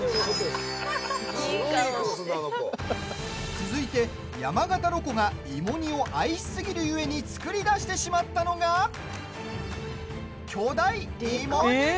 続いて、山形ロコが芋煮を愛しすぎるゆえに作り出してしまったのが巨大芋煮鍋。